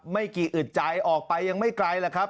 ไม่กี่อึดใจออกไปยังไม่ไกลแหละครับ